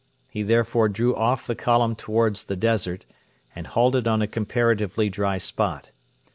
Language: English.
He therefore drew off the column towards the desert, and halted on a comparatively dry spot.